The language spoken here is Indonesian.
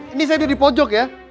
ini saya tidur di pojok ya